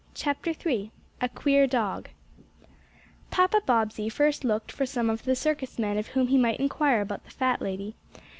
CHAPTER III A QUEER DOG PAPA BOBBSEY first looked for some of the circus men of whom he might inquire about the fat lady.